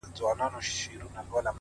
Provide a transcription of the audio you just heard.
ما په اول ځل هم چنداني گټه ونه کړه؛